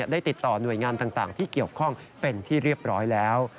ได้ติดต่อหน่วยงานต่างที่เกี่ยวข้องเป็นที่เรียบร้อยแล้ว